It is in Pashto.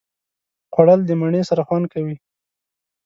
خوړل د مڼې سره خوند کوي